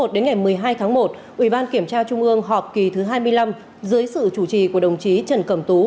từ ngày một mươi một mươi hai một ủy ban kiểm tra trung ương họp kỳ thứ hai mươi năm dưới sự chủ trì của đồng chí trần cẩm tú